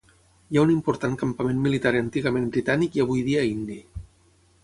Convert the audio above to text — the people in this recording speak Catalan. Hi ha un important campament militar antigament britànic i avui dia indi.